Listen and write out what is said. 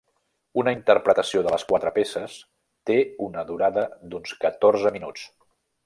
Una interpretació de les quatre peces té una durada d'uns catorze minuts.